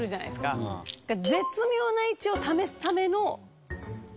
絶妙な位置を試すための場所。